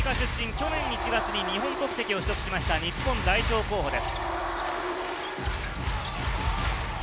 去年１月に日本国籍を取得しました、日本代表候補です。